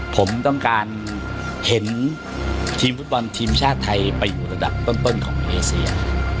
ผมต้องการเห็นทีมฟุตบอลทีมชาติไทยไปอยู่ระดับต้นของเอเซีย